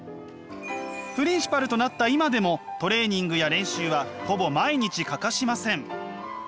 プリンシパルとなった今でもトレーニングや練習はほぼ毎日欠かしません。